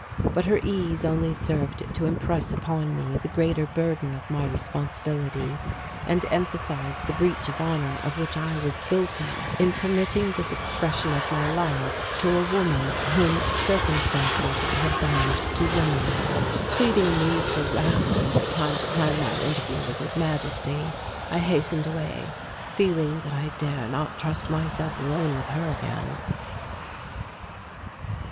But her ease only served to impress upon me the greater burden of my responsibility and emphasize the breach of honour of which I was guilty in permitting this expression of my love to a woman whom circumstances had bound to Zimmern. Pleading need for rest and for time to plan my interview with His Majesty, I hastened away, feeling that I dare not trust myself alone with her again.